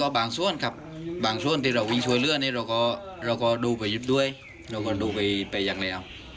ก็บางส่วนครับบางส่วนที่เราวิชวยเรื่องนี้เราก็ดูไปยึดด้วยเราก็ดูไปยึดไปอย่างไรเอา